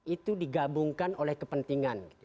itu digabungkan oleh kepentingan